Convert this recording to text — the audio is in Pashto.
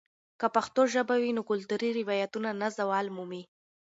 که پښتو ژبه وي، نو کلتوري روایتونه نه زوال مومي.